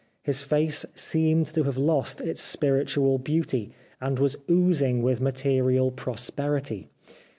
His face seemed to have lost its spiritual beauty, and was oozing with material prosperity.